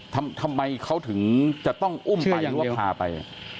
ทำไมเขาถึงจะต้องอุ้มไปหรือว่าพาไป